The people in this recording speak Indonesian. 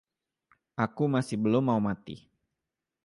Aku masih belum mau mati.